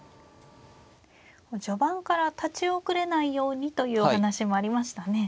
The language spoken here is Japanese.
序盤から立ち遅れないようにというお話もありましたね。